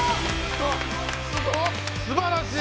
すばらしい！